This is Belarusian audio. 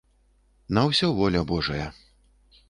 На ўсё воля божая.